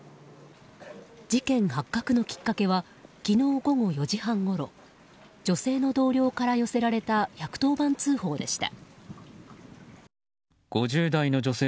事件発覚のきっかけは昨日午後４時半ごろ女性の同僚から寄せられた１１０番通報でした。